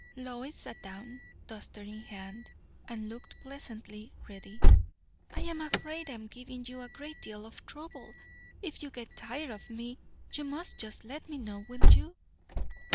Lois sat down, duster in hand, and looked pleasantly ready. "I am afraid I am giving you a great deal of trouble! If you get tired of me, you must just let me know. Will you?"